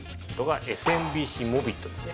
ＳＭＢＣモビットですね